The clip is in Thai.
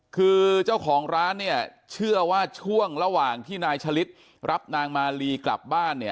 คือเจ้าของร้านเนี่ยเชื่อว่าช่วงระหว่างที่นายชะลิดรับนางมาลีกลับบ้านเนี่ย